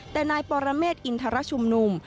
แต่นายปรเมฆอินทรชุมนุม